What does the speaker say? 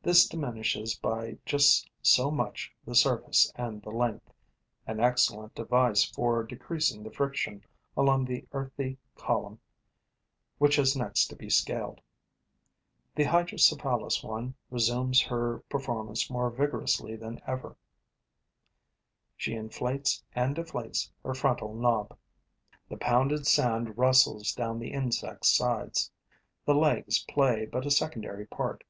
This diminishes by just so much the surface and the length, an excellent device for decreasing the friction along the earthy column which has next to be scaled. The hydrocephalous one resumes her performance more vigorously than ever; she inflates and deflates her frontal knob. The pounded sand rustles down the insect's sides. The legs play but a secondary part.